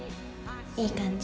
いい感じ。